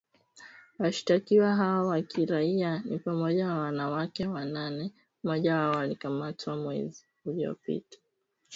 Washtakiwa hao wa kiraia ni pamoja na wanawake wanane, mmoja wao alikamatwa mwezi uliopita akiwa na risasi